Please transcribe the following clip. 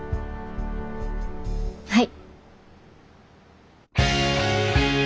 はい。